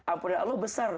ampunan allah besar